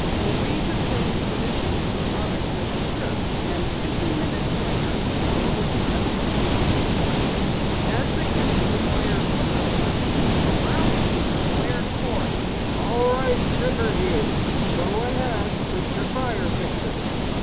Louise obtained permission from her mother to make the trip, and fifteen minutes later the girls were at the Star office. As they entered the wire photo room, a loudspeaker blared forth: "All right, Riverview, go ahead with your fire picture!"